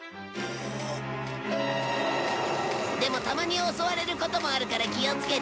でもたまに襲われることもあるから気をつけて